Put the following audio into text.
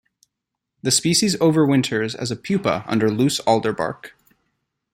The species overwinters as a pupa under loose alder bark.